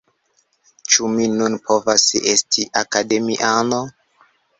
Ĉu mi nun povas esti Akademiano?